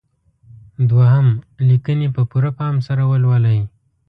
دوهم: لیکنې په پوره پام سره ولولئ.